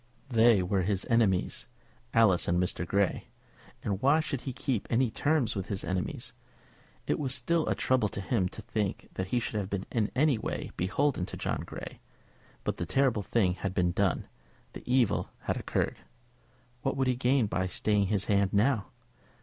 They were his enemies, Alice and Mr. Grey, and why should he keep any terms with his enemies? It was still a trouble to him to think that he should have been in any way beholden to John Grey; but the terrible thing had been done, the evil had occurred. What would he gain by staying his hand now?